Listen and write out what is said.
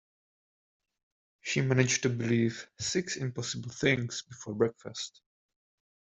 She managed to believe six impossible things before breakfast